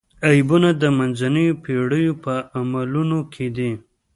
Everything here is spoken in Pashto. عیبونه د منځنیو پېړیو په عملونو کې دي.